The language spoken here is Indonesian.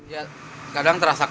ya kadang terasa kondisinya